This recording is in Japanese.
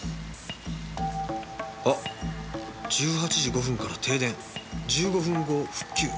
あっ１８時５分から停電１５分後復旧。